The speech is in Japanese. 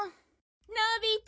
のび太！